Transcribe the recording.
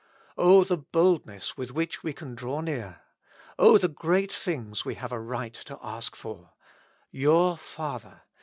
O the boldness with which we can draw near ! O the great things we have a right to ask for ! Your Father.